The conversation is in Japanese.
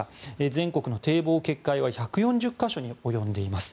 全国の堤防決壊は１４０か所に及んでいます。